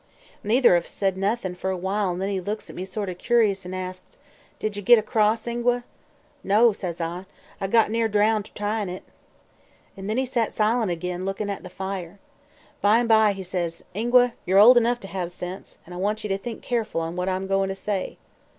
Neither of us said noth'n' fer awhile an' then he looks at me sort o' curious an' asks: "'Did ye git across, Ingua?' "'No,' says I. 'I near got drowned, tryin' it.' "Then he set silent ag'in, lookin' at the fire. By 'n' by says he: 'Ingua, yer old enough to hev sense, an' I want ye to think keerful on what I'm goin' ter say.